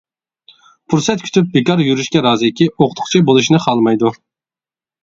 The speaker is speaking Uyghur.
پۇرسەت كۈتۈپ بىكار يۈرۈشكە رازىكى، ئوقۇتقۇچى بولۇشنى خالىمايدۇ.